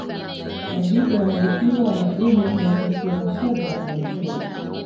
Majike wanavutiwa na dume mwenyewe mkia mkubwa na mzuri